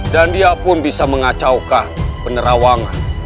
dan dia pun bisa mengacaukan penerawangan